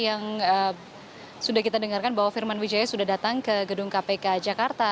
yang sudah kita dengarkan bahwa firman wijaya sudah datang ke gedung kpk jakarta